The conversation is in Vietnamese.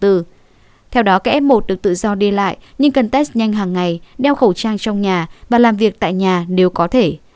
theo đó cái f một được tự do đi lại nhưng cần test nhanh hàng ngày đeo khẩu trang trong nhà và làm việc tại nhà nếu có thể